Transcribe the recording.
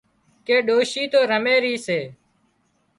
ڪي ڏوشي تو رمي رِي سي